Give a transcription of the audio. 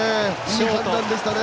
いい判断でしたね。